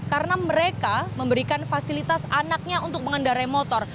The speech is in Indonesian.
karena mereka memberikan fasilitas anaknya untuk mengendarai motor